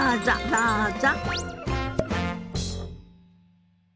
どうぞ。